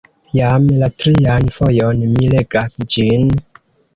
Jam la trian fojon mi legas ĝin.